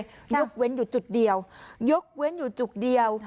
ยกเว้นอยู่จุดเดียวยกเว้นอยู่จุดเดียว